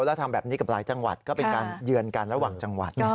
แล้วทำแบบนี้กับหลายจังหวัดก็เป็นการเยือนกันระหว่างจังหวัด